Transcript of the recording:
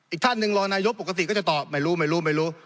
อีกท่านหนึ่งรองนายกปกติก็จะตอบไม่รู้ไม่รู้ไม่รู้